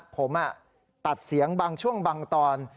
ผมตัดเสียงบางช่วงบางตอน